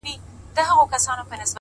د شنه چنار په ننداره وزمه؛